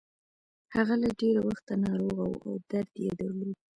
هغه له ډېره وخته ناروغه وه او درد يې درلود.